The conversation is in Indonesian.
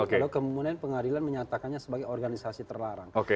kalau kemudian pengadilan menyatakannya sebagai organisasi terlarang